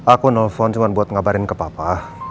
aku nelfon cuma buat ngabarin ke papa